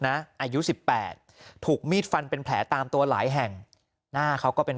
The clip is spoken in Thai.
อายุ๑๘ถูกมีดฟันเป็นแผลตามตัวหลายแห่งหน้าเขาก็เป็น